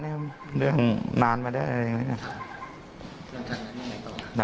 ก็เรื่องร้ายทราบเรื่องนานมาแล้วอะไรอย่างนี้นะ